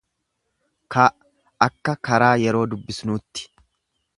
k akka karaa yeroo dubbisnuutti.